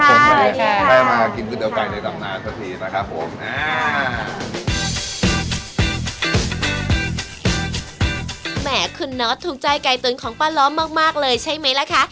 ก็เดินทางมาทะนด์เส้นบรมไก่โลกนาสค่ะ